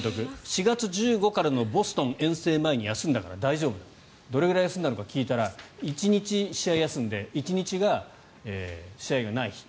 ４月１５日からのボストンの遠征前に休んだので大丈夫どれぐらい休んだのか聞いたら１日試合を休んで１日が試合がない日。